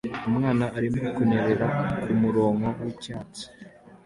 Umwana arimo kunyerera kumurongo wicyatsi